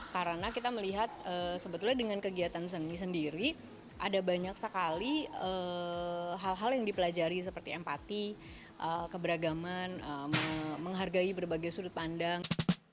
karena kita melihat sebetulnya dengan kegiatan seni sendiri ada banyak sekali hal hal yang dipelajari seperti empati keberagaman menghargai berbagai sudut pandang